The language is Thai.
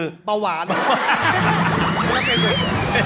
ไม่เป็นอย่างเดียว